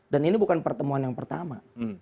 dan ini bukan pertemuan yang pertama